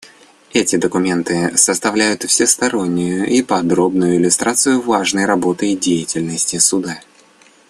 Эти документы составляют всестороннюю и подробную иллюстрацию важной работы и деятельности Суда.